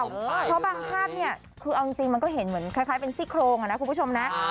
เพราะบางภาพเนี่ยคือเอาจริงมันก็เห็นเหมือนคล้ายเป็นซี่โครงอ่ะนะคุณผู้ชมนะ